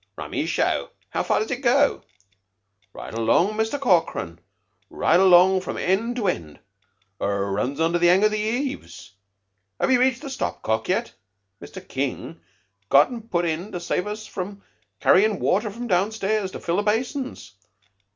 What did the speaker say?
"Rummy show. How far does it go?" "Right along, Muster Corkran right along from end to end. Her runs under the 'ang of the heaves. Have 'ee rached the stopcock yet? Mr. King got un put in to save us carryin' watter from down stairs to fill the basins.